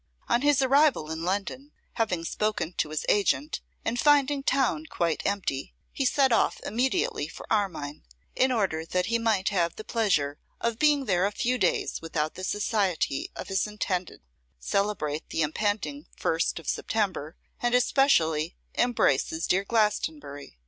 On his arrival in London, having spoken to his agent, and finding town quite empty, he set off immediately for Armine, in order that he might have the pleasure of being there a few days without the society of his intended; celebrate the impending first of September; and, especially, embrace his dear Glastonbury.